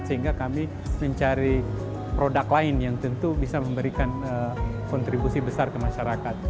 sehingga kami mencari produk lain yang tentu bisa memberikan kontribusi besar ke masyarakat